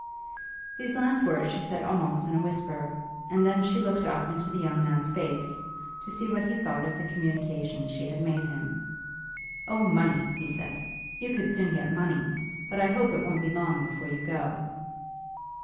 These last words she said almost in a whisper, and then she looked up into the young man's face, to see what he thought of the communication she had made him. "Oh, money!" he said. "You could soon get money. But I hope it won't be long before you go."